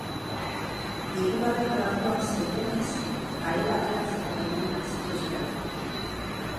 Hirugarren graduan zeudenez, kalera ateratzeko baimenak zituzten.